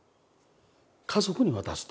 「家族に渡す」と。